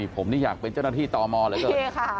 ผมนี่อยากเป็นเจ้าหน้าที่ตมเหลือเกิน